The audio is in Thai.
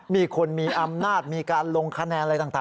มีการมีอำนาจมีการลงคะแนนอะไรต่างหน้าน่ะด้วยนะ